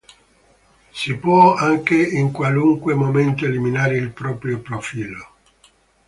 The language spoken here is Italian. Si può anche in qualunque momento eliminare il proprio profilo.